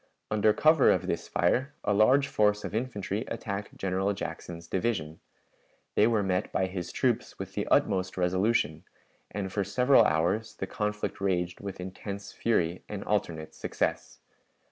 Under cover of this fire a large force of infantry attacked General Jackson's division. They were met by his troops with the utmost resolution, and for several hours the conflict raged with intense fury and alternate success.